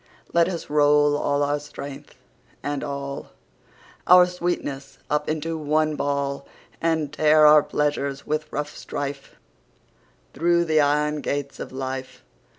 Let us roll all our Strength, and allOur sweetness, up into one Ball:And tear our Pleasures with rough strife, Thorough the Iron gates of Life.